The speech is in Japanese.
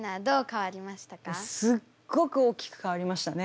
すっごく大きく変わりましたね。